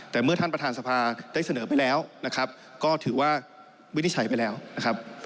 แต่เมื่อท่านประธานสภาได้เสนอไปแล้วนะครับก็ถือว่าวินิจฉัยไปแล้วนะครับ